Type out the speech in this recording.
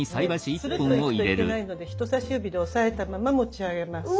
でスルッといくといけないので人さし指で押さえたまま持ち上げます。